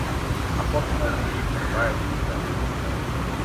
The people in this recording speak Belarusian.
А потым яны ж прымаюць экзамены.